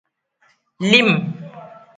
Lim.